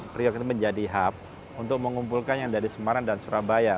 priok ini menjadi hub untuk mengumpulkan yang dari semarang dan surabaya